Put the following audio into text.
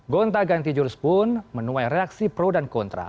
gonta ganti jurus pun menuai reaksi pro dan kontra